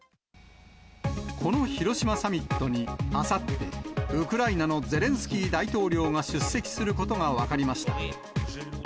この広島サミットに、あさって、ウクライナのゼレンスキー大統領が出席することが分かりました。